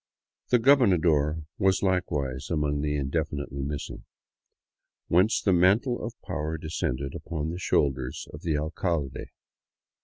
The gobernador was likewise among the indefinitely missing ; whence the mantle of power descended upon the shoulders of the alcalde.